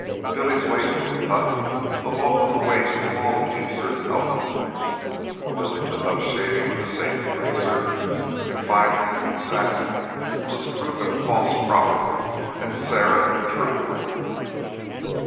Billy's wages were cut, along with the wages of all the teamsters in Oakland. Billy took up shaving with a safety razor. And, finally, Saxon was proven a false prophet and Sarah a true one.